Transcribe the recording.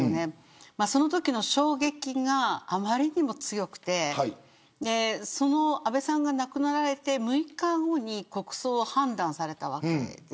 そのときの衝撃があまりにも強くて安倍さんが亡くなられて６日後に国葬を判断されたわけです。